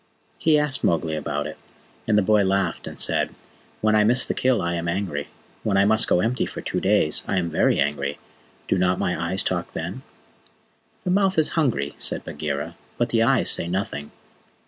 He asked Mowgli about it, and the boy laughed and said. "When I miss the kill I am angry. When I must go empty for two days I am very angry. Do not my eyes talk then?" "The mouth is hungry," said Bagheera, "but the eyes say nothing.